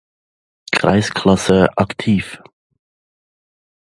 Kreisklasse aktiv.